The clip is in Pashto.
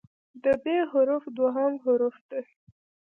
د "ب" حرف دوهم حرف دی.